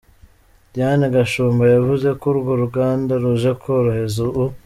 Diane Gashumba yavuze ko urwo ruganda ruje korohereza u .